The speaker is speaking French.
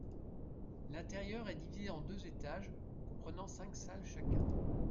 L’intérieur est divisé en deux étages, comprenant cinq salles chacun.